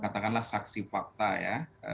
katakanlah saksi fakta ya